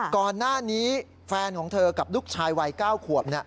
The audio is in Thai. ก่อนหน้านี้แฟนของเธอกับลูกชายวัย๙ขวบ